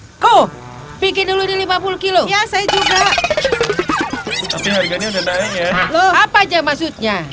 hai kok pikir dulu di lima puluh kilo ya saya juga tapi harganya udah naik ya apa aja maksudnya